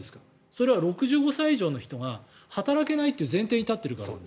それは６５歳以上の人が働けないという前提に立っているから。